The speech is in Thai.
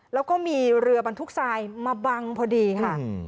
แล้วก็มีเรือบรรทุกทรายมาบังพอดีค่ะ